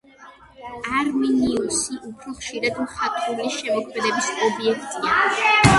არმინიუსი უფრო ხშირად მხატვრული შემოქმედების ობიექტია.